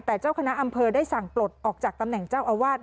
แต่เจ้าคณะอำเภอได้สั่งปลดออกจากตำแหน่งเจ้าอาวาส